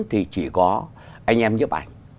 thì chỉ có anh em giúp ảnh